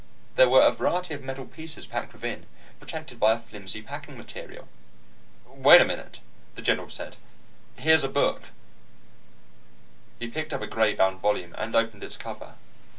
There were a variety of metal pieces packed within, protected by a filmy packing material. "Wait a minute," the general said. "Here's a book " He picked up a gray bound volume, and opened its cover.